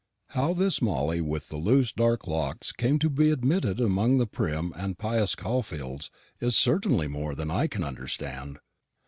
How this Molly with the loose dark locks came to be admitted among the prim, and pious Caulfields is certainly more than I can understand.